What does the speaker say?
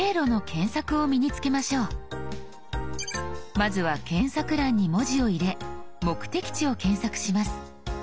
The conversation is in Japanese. まずは検索欄に文字を入れ目的地を検索します。